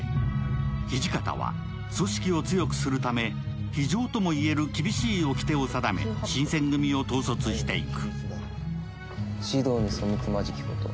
土方は組織を強くするため、非情とも言える厳しいおきてを定め新選組を統率していく。